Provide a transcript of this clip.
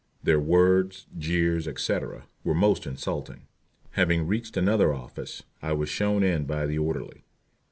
Their words, jeers, etc., were most insulting. Having reached another office, I was shown in by the orderly.